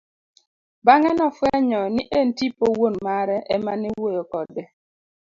Bang'e nofwenyo ni en tipo wuon mare emane wuoyo kode.